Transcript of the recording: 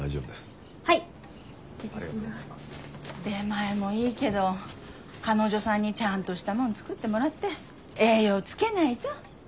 出前もいいけど彼女さんにちゃんとしたもの作ってもらって栄養つけないと。